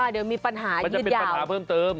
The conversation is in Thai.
เดี๋ยวมีปัญหามันจะเป็นปัญหาเพิ่มเติม